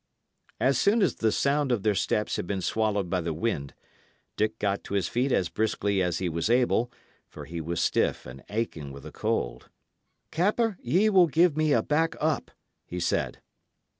As soon as the sound of their steps had been swallowed by the wind, Dick got to his feet as briskly as he was able, for he was stiff and aching with the cold. "Capper, ye will give me a back up," he said.